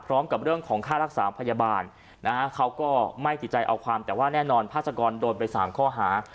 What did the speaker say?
เรื่องของค่ารักษาพยาบาลนะฮะเขาก็ไม่ติดใจเอาความแต่ว่าแน่นอนภาษากรโดนไป๓ข้อหา